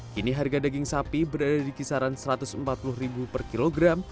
kini harga daging sapi berada di kisaran rp satu ratus empat puluh per kilogram